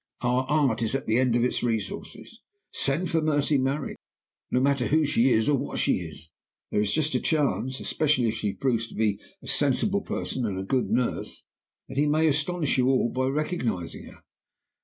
Our art is at the end of its resources. Send for Mercy Merrick, no matter who she is or what she is. There is just a chance especially if she proves to be a sensible person and a good nurse that he may astonish you all by recognizing her.